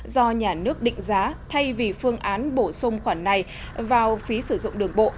do nhà nước định giá thay vì phương án bổ sung khoản này vào phí sử dụng đường bộ